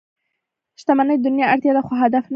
• شتمني د دنیا اړتیا ده، خو هدف نه دی.